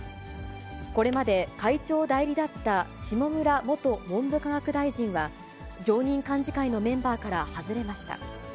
これまで会長代理だった下村元文部科学大臣は、常任幹事会のメンバーから外れました。